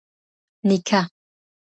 نيکه